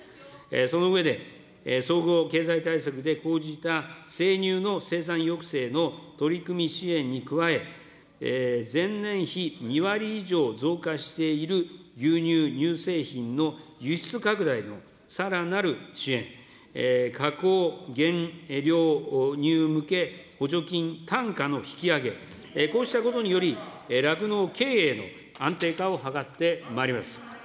その上で、総合経済対策で講じた生乳の生産抑制の取り組み支援に加え、前年比２割以上増加している牛乳、乳製品の輸出拡大のさらなる支援、加工原料乳向け補助金単価の引き上げ、こうしたことにより、酪農経営の安定化を図ってまいります。